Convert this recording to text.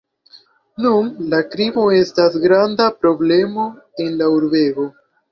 Nun la krimo estas granda problemo en la urbego.